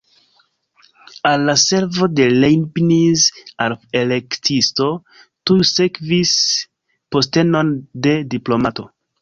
Al la servo de Leibniz al la Elektisto tuj sekvis postenon de diplomato.